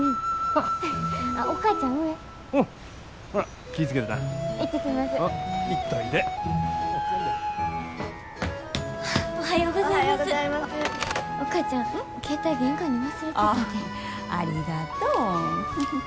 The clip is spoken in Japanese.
ああありがとう。